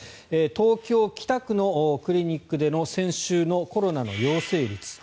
東京・北区のクリニックでの先週のコロナの陽性率。